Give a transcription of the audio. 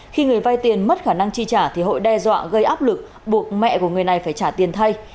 khi người vay tiền mất khả năng chi trả thì hội đe dọa gây áp lực buộc mẹ của người này phải trả tiền thay